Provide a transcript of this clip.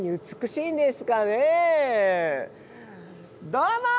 どうも！